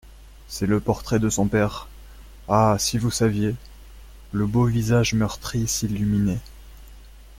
C'est le portrait de son père … Ah ! si vous saviez !…» Le beau visage meurtri s'illuminait.